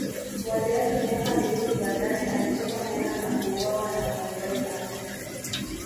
Waiyaki miaka miwili baadaye alitekwa nyara na kuuawa na Waingereza